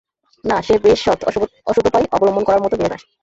না, সে বেশ সৎ, অসুদপায় অবলম্বন করার মতো মেয়ে না সে।